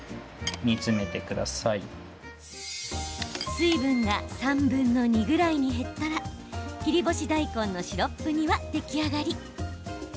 水分が３分の２ぐらいに減ったら切り干し大根のシロップ煮は出来上がり。